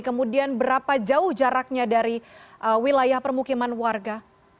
kemudian berapa jauh jaraknya dari wilayah permukiman warga